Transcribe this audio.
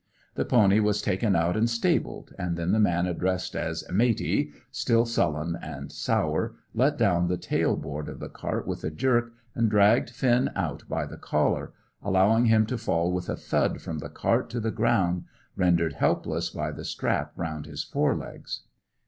The pony was taken out and stabled, and then the man addressed as "Matey," still sullen and sour, let down the tail board of the cart with a jerk, and dragged Finn out by the collar, allowing him to fall with a thud from the cart to the ground, rendered helpless by the strap round his fore legs.